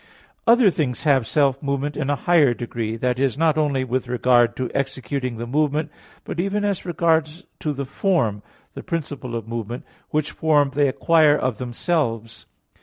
Other things have self movement in a higher degree, that is, not only with regard to executing the movement, but even as regards to the form, the principle of movement, which form they acquire of themselves.